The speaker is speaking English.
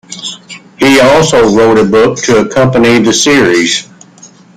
He also wrote a book to accompany the series.